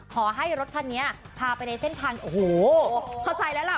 ขอให้รถคันนี้พาไปในเส้นทางโอ้โหเข้าใจแล้วล่ะ